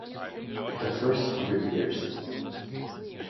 The First Hundred Years.